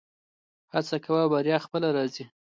هڅه کوه بریا خپله راځي